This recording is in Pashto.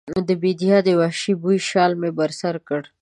د بیدیا د وحشي بوی شال مې پر سر کړ